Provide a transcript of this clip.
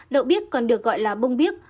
đậu biếc còn được gọi là bông biếc